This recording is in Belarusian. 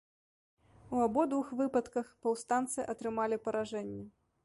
У абодвух выпадках паўстанцы атрымалі паражэнне.